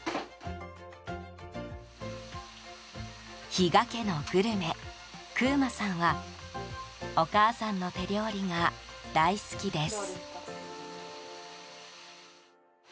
比嘉家のグルメ、紅羽真さんはお母さんの手料理が大好きです。